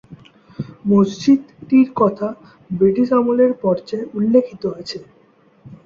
মসজিদটির কথা ব্রিটিশ আমলের পর্চায় উল্লেখিত আছে।